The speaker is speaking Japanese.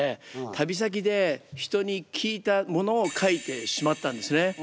旅先で人に聞いたものを書いてしまったんですね。